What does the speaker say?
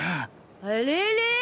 あれれ？